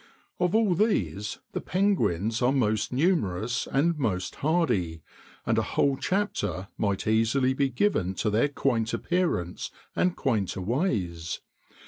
Of all these the penguins are most numerous and most hardy, and a whole chapter might easily be given to their quaint appearance and quainter ways.